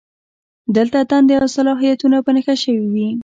دلته دندې او صلاحیتونه په نښه شوي وي.